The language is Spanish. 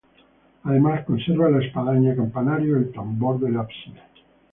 Además conserva la espadaña-campanario y el tambor del ábside.